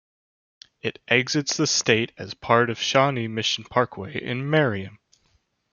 It exits the state as part of Shawnee Mission Parkway in Merriam.